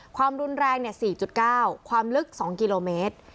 ความรุนแรง๔๙ความลึก๒กิโลเมตร